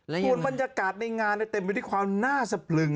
ส่วนบรรยากาศในงานเนี่ยเต็มอยู่ที่ความหน้าสะปลึง